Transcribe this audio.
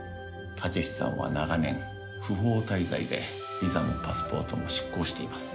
武志さんは長年不法滞在でビザもパスポートも失効しています。